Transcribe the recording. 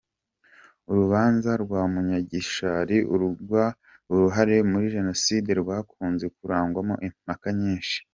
Urubanza rwa Munyagishari uregwa uruhare muri jenoside rwakunze kurangwamo impaka nyinshi .